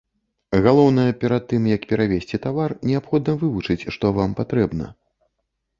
Галоўнае перад тым, як перавезці тавар, неабходна вывучыць, што вам патрэбна.